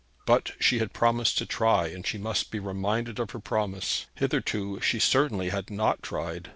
But she had promised to try, and she must be reminded of her promise. Hitherto she certainly had not tried.